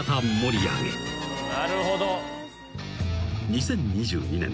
［２０２２年。